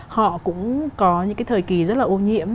họ cũng có những cái thời kỳ rất là ô nhiễm